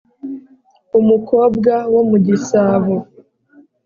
umukobwa wo mu gisabo